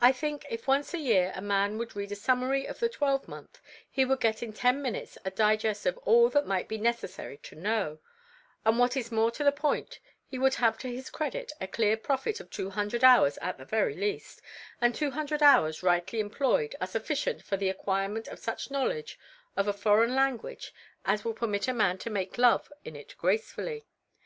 I think if once a year a man would read a summary of the twelvemonth, he would get in ten minutes a digest of all that might be necessary to know, and what is more to the point, he would have to his credit a clear profit of two hundred hours at the very least, and two hundred hours rightly employed are sufficient for the acquirement of such a knowledge of a foreign language as will permit a man to make love in it gracefully.